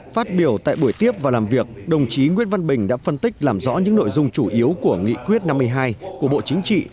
phát biểu tại buổi tiếp và làm việc đồng chí nguyễn văn bình đã phân tích làm rõ những nội dung chủ yếu của nghị quyết năm mươi hai của bộ chính trị